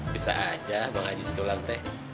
bisa aja bang haji setulah teh